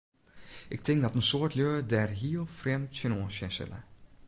Ik tink dat in soad lju dêr hiel frjemd tsjinoan sjen sille.